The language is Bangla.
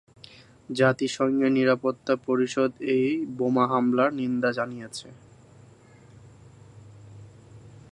জাতিসংঘের নিরাপত্তা পরিষদ এই বোমা হামলার নিন্দা জানিয়েছে।